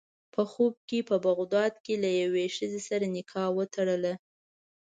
په خوب کې یې په بغداد کې له یوې ښځې سره نکاح وتړله.